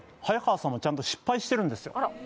早川さんもちゃんと失敗してるんですよ